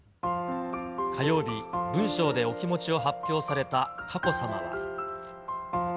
火曜日、文章でお気持ちを発表された佳子さまは。